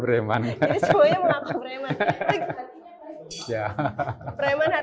preman hatinya hello kitty baik